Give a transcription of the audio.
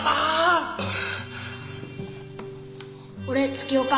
俺月岡。